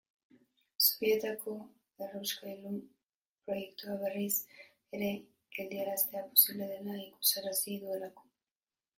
Zubietako errauskailu proiektua berriz ere geldiaraztea posible dela ikusarazi duelako.